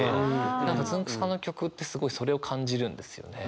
何かつんく♂さんの曲ってすごいそれを感じるんですよね。